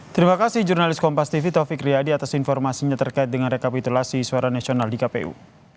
terima kasih jurnalis kompas tv taufik riyadi atas informasinya terkait dengan rekapitulasi suara nasional di kpu